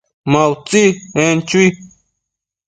Ma utsi, en chui